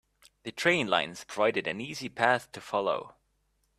The train lines provided an easy path to follow.